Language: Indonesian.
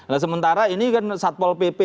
nah sementara ini kan satpol pp